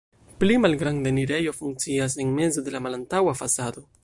Pli malgranda enirejo funkcias en mezo de la malantaŭa fasado.